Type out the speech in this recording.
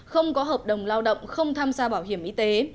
không có hợp đồng lao động không tham gia bảo hiểm y tế